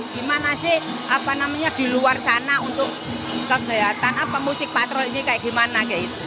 gimana sih di luar sana untuk kegiatan musik patro ini kayak gimana